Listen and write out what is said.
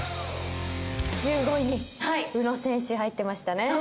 １５位に宇野選手入ってましたね。